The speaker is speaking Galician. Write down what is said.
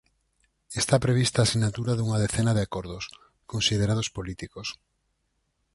Está prevista a sinatura dunha decena de acordos, considerados políticos.